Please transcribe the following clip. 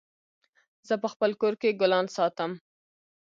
زه په خپل کور کي ګلان ساتم